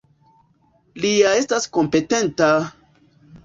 Li ja estas kompetenta!